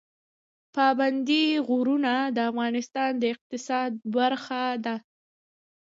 پابندی غرونه د افغانستان د اقتصاد برخه ده.